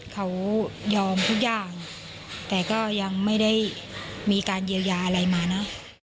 เขายอมทุกอย่างแต่ก็ยังไม่ได้มีการเยียวยาอะไรมานะ